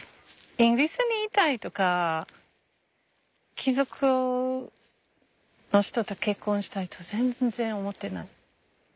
イギリスにいたいとか貴族の人と結婚したいと全然思ってない。